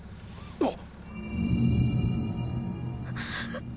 あっ。